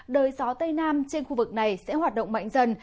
đời gió tây nam trên khu vực này sẽ hoạt động mạnh dần